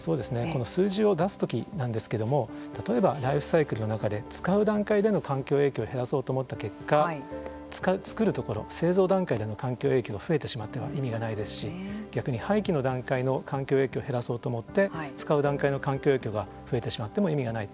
この数字を出す時なんですけども例えばライフサイクルの中で使う段階での環境影響減らそうと思った結果作るところ製造段階での環境影響が増えてしまっては意味がないですし逆に廃棄の段階の環境影響減らそうと思って使う段階の環境影響が増えてしまっても意味がない。